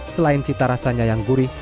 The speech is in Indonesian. selain cita rasanya yang gurih